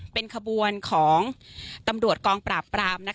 เป็นขบวนของตำรวจกองปราบปราม